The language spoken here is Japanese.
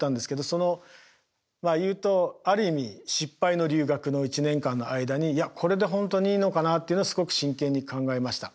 その言うとある意味失敗の留学の１年間の間に「いやこれで本当にいいのかな」っていうのをすごく真剣に考えました。